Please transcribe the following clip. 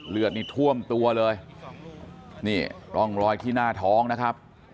เลือดนี่ท่วมตัวเลยนี่ร่องรอยที่หน้าท้องนะครับ